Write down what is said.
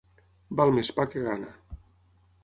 Val més pa que gana.